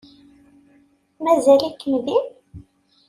Mazal-ikem din?